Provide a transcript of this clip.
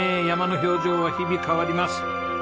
山の表情は日々変わります。